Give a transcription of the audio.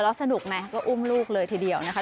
แล้วสนุกไงก็อุ้มลูกเลยทีเดียวนะคะ